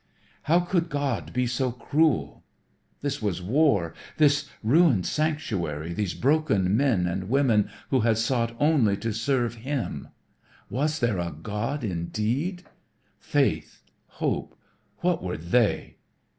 How could God be so cruel? This was war. This ruined sanctuary, these broken men and women who had sought only to serve Him! Was there a God indeed? Faith, hope, what were they?